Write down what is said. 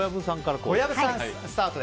小籔さんスタートで。